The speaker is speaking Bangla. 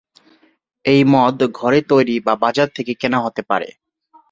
এই মদ ঘরে তৈরি বা বাজার থেকে কেনা হতে পারে।